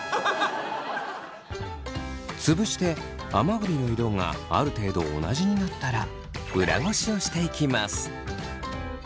つぶして甘栗の色がある程度同じになったら裏ごしをしていきます。